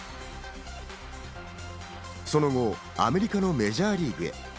その後、アメリカのメジャーリーグへ。